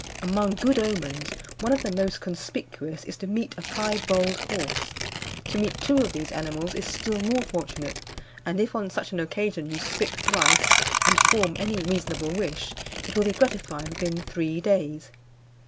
Among good omens, one of the most conspicuous is to meet a piebald horse. To meet two of these animals is still more fortunate; and if on such an occasion you spit thrice, and form any reasonable wish, it will be gratified within three days.